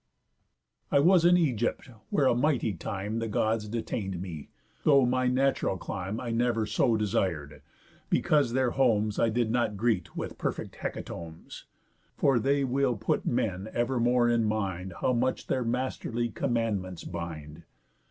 I was in Ægypt, where a mighty time The Gods detain'd me, though my natural clime I never so desir'd, because their homes I did not greet with perfect hecatombs. For they will put men evermore in mind, How much their masterly commandments bind.